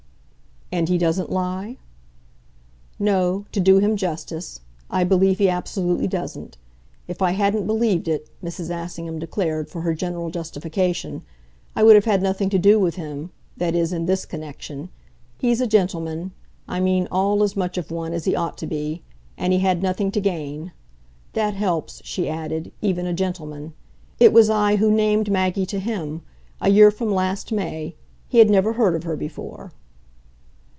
"And he doesn't lie?" "No to do him justice. I believe he absolutely doesn't. If I hadn't believed it," Mrs. Assingham declared, for her general justification, "I would have had nothing to do with him that is in this connection. He's a gentleman I mean ALL as much of one as he ought to be. And he had nothing to gain. That helps," she added, "even a gentleman. It was I who named Maggie to him a year from last May. He had never heard of her before."